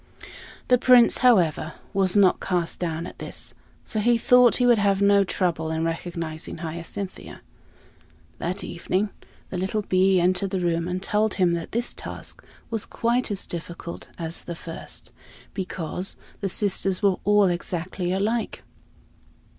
The Prince, however, was not cast down at this, for he thought he would have no trouble in recognizing Hyacinthia. That evening the little bee entered the room and told him that this task was quite as difficult as the first, because the sisters were all exactly alike.